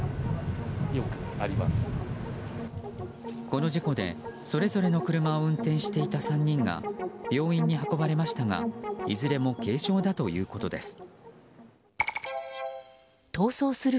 この事故で、それぞれの車を運転していた３人が病院に運ばれましたがいずれも軽傷だということです。